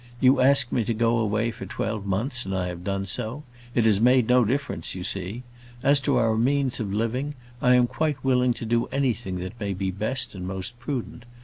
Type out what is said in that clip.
You asked me to go away for twelve months, and I have done so. It has made no difference, you see. As to our means of living, I am quite willing to do anything that may be best and most prudent.